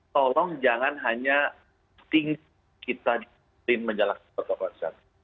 tolong jangan hanya tinggi kita disiplin menjelaskan protokol tersebut